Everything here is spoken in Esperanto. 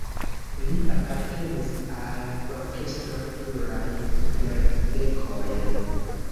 Li apartenis al orkestro plurajn jardekojn.